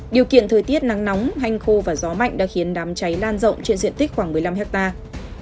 điều kiện thời tiết nắng nóng hanh khô và gió mạnh đã khiến đám cháy lan rộng trên diện tích khoảng một mươi năm hectare